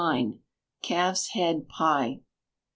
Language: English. Calf's Head Pie.